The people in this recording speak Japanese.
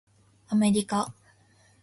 アメリカ